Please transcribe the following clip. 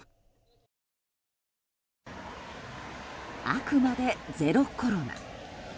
あくまでゼロコロナ。